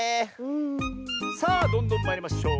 さあどんどんまいりましょう。